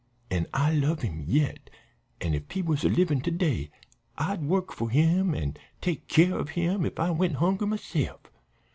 "An' I love him yet, an' if he was a livin' to day I'd work for him an' take care of him if I went hungry myse'f.